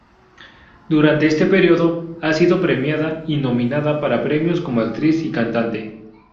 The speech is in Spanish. Durante este período, ha sido premiada y nominada para premios como actriz y cantante.